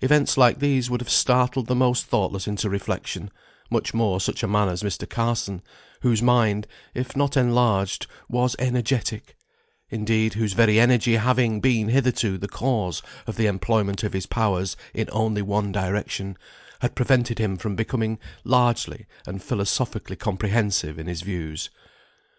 Events like these would have startled the most thoughtless into reflection, much more such a man as Mr. Carson, whose mind, if not enlarged, was energetic; indeed, whose very energy, having been hitherto the cause of the employment of his powers in only one direction, had prevented him from becoming largely and philosophically comprehensive in his views.